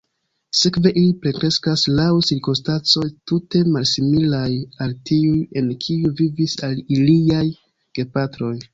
Sekve ili plenkreskas laŭ cirkonstancoj tute malsimilaj al tiuj, en kiuj vivis iliaj gepatroj.